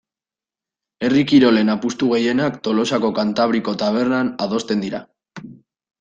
Herri kirolen apustu gehienak Tolosako Kantabriko tabernan adosten dira.